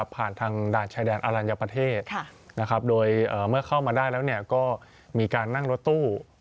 ผ่านทางด่านชายแดนอรัญญาประเทศโดยเมื่อเข้ามาได้แล้วก็มีการนั่งรถตู้